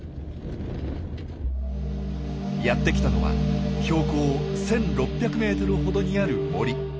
やってきたのは標高１，６００ｍほどにある森。